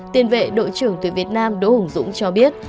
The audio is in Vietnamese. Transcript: tiền vệ đội trưởng tuyệt việt nam đỗ hùng dũng cho biết